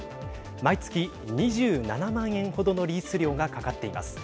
毎月２７万円ほどのリース料がかかっています。